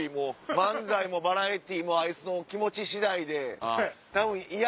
漫才もバラエティーもあいつの気持ち次第で。